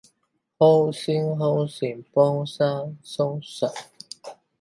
好心好行，無衫通穿